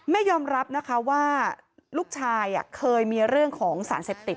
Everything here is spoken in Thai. ยอมรับนะคะว่าลูกชายเคยมีเรื่องของสารเสพติด